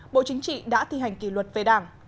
bộ chính trị đã thi hành kỷ luật về đảng